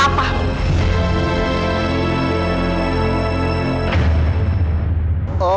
bapak apa yang kamu lakukan